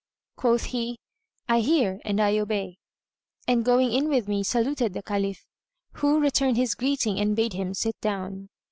Quoth he, "I hear and I obey," and going in with me, saluted the Caliph, who returned his greeting and bade him sit down.